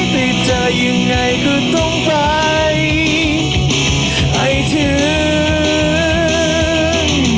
แต่จะยังไงก็ต้องไปไปถึง